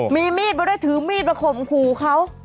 มีมีดมาด้วยถือมีดมาข่มขู่เขา